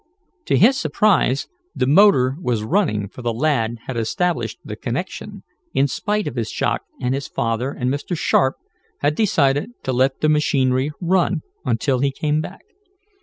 To his surprise the motor was running for the lad had established the connection, in spite of his shock and his father and Mr. Sharp had decided to let the machinery run until he came back.